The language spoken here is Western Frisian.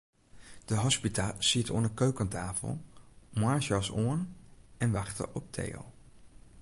De hospita siet oan 'e keukenstafel, moarnsjas oan, en wachte op Theo.